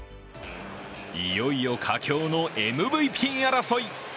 いよいよ佳境のＭＶＰ争い。